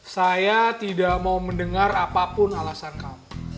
saya tidak mau mendengar apapun alasan kamu